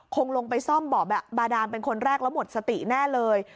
คงลงไปซ่อมเบาะบาดานเป็นคนแรกแล้วหมดสติแน่เลย